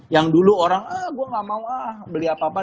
yang dulu orang ah gue gak mau ah beli apa apa